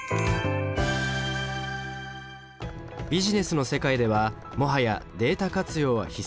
ビジネスの世界ではもはやデータ活用は必須。